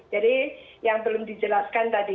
jadi yang belum dijelaskan tadi